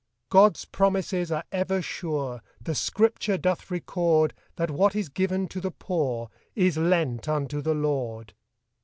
God's promises are ever sure, • The scripture. <doth record That what is given to the poor ! Is lent unto the Lord.